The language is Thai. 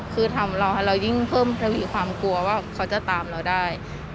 คือทำเราให้เรายิ่งเพิ่มทวีความกลัวว่าเขาจะตามเราได้